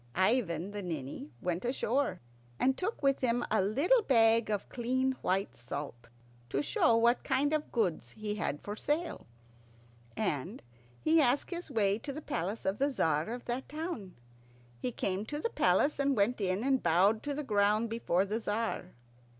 Ivan the Ninny went ashore, and took with him a little bag of clean white salt to show what kind of goods he had for sale, and he asked his way to the palace of the Tzar of that town. He came to the palace, and went in and bowed to the ground before the Tzar.